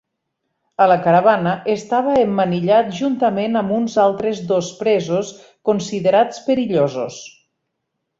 A la caravana estava emmanillat juntament amb uns altres dos presos considerats perillosos.